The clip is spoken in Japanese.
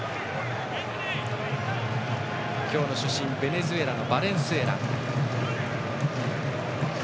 今日の主審、ベネズエラのバレンスエラ。